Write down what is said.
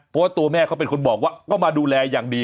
เพราะว่าตัวแม่เขาเป็นคนบอกว่าก็มาดูแลอย่างดี